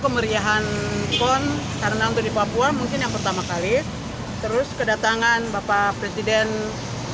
kemeriahan pon karena untuk di papua mungkin yang pertama kali terus kedatangan bapak presiden